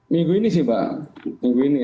minggu ini sih pak minggu ini